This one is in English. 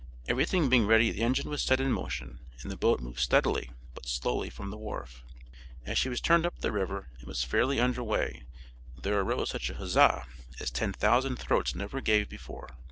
Everything being ready the engine was set in motion, and the boat moved steadily but slowly from the wharf. As she turned up the river and was fairly under way, there arose such a huzza as ten thousand throats never gave before.